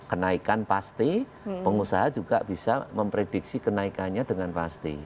kenaikan pasti pengusaha juga bisa memprediksi kenaikannya dengan pasti